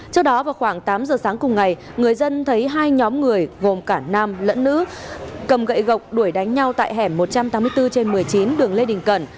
cầm gậy gọc đuổi đánh nhau tại hẻm một trăm tám mươi bốn trên một mươi chín đường lê đình cẩn